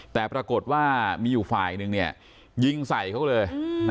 แต่ปรากฏว่ามีอยู่ฝ่ายหนึ่งยิงใส่เขาเลย